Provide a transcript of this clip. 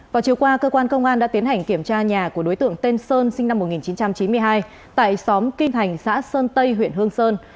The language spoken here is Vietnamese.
vào chiều qua cơ quan công an đã tiến hành kiểm tra nhà của đối tượng tên sơn sinh năm một nghìn chín trăm chín mươi hai tại xóm kinh thành xã sơn tây huyện hương sơn